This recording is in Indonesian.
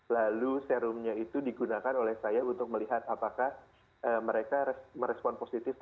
lalu serumnya itu digunakan oleh saya untuk melihat apakah mereka merespon positif